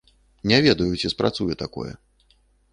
Не ведаю, ці спрацуе такое.